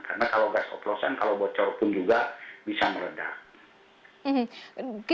karena kalau gas oklosan kalau bocor pun juga bisa meledak